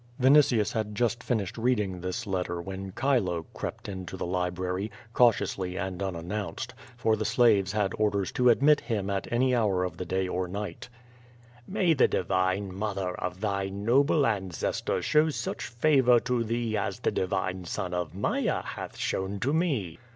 Yinitius had just finished reading this leter when Chile crept into the library, cautiously and unannounced, for the slaves had orders to admit him at any hour of the day or night. 146 OrO VADI^. "j\Iay the divine mother of thy noble ancestor show such favor to thee as the divine son of Maia hath shown to me."